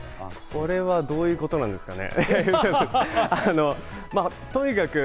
それはどういうことなんですかね？